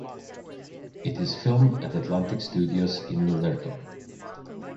It is filmed at Atlantic Studios in Milnerton.